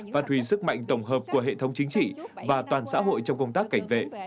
phát huy sức mạnh tổng hợp của hệ thống chính trị và toàn xã hội trong công tác cảnh vệ